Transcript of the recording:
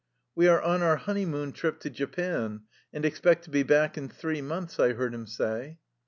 ^^We are on our honeymoon trip to Japan, and expect to be back in three months/' I heard him say.